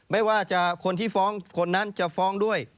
ไม่ว่าจะคนที่ฟ้องคนนั้นจะฟ้องด้วย